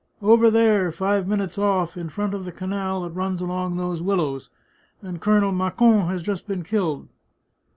" Over there, five minutes oflf, in front of the canal that runs along those willows. And Colonel Macon has just been killed."